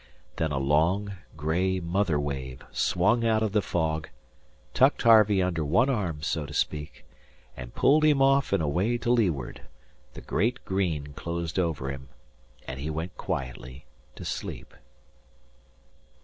Then a low, gray mother wave swung out of the fog, tucked Harvey under one arm, so to speak, and pulled him off and away to leeward; the great green closed over him, and he went quietly to sleep.